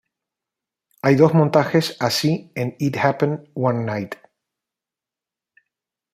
Hay dos montajes así en "It Happened One Night.